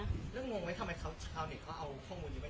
เรื่องงงไว้ทำไมเขาเอาข้อมูลนี้มาจากไหน